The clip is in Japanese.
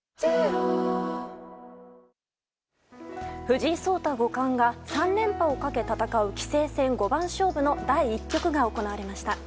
藤井聡太五冠が３連覇をかけ戦う棋聖戦五番勝負の第１局が行われました。